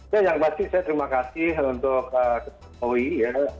ya yang pasti saya terima kasih untuk owi ya